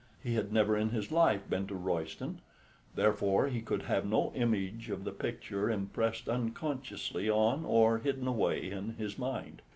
He had never in his life been to Royston, therefore he could have no image of the picture impressed unconsciously on or hidden away in his mind.